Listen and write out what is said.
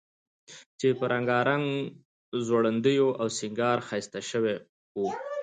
چې په رنګارنګ ځونډیو او سینګار ښایسته شوی و،